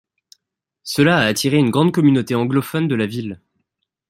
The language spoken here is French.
Cela a attiré une grande communauté anglophone de la ville.